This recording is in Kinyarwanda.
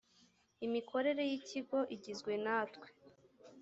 imikorere y ikigo igizwe natwe